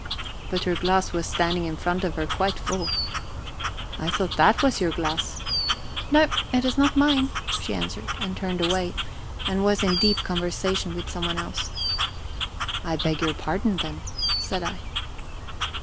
But her glass was standing in front of her, quite full. "I thought that was your glass." "No, it is not mine," she answered, and turned away, and was in deep conversation with someone else. "I beg your pardon then," said I.